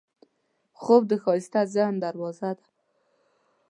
خوب د ښایسته ذهن دروازه ده